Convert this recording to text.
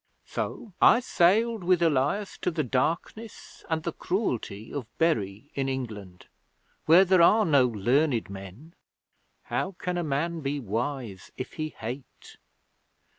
'So I sailed with Elias to the darkness and the cruelty of Bury in England, where there are no learned men. How can a man be wise if he hate?